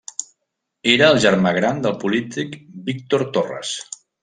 Era el germà gran del polític Víctor Torres.